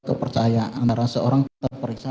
kepercayaan antara seorang terperiksa